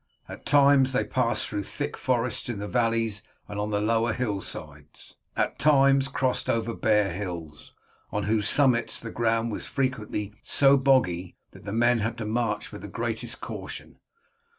At times they passed through thick forests in the valleys and on the lower hillsides, at times crossed over bare hills, on whose summits the ground was frequently so boggy that the men had to march with the greatest caution.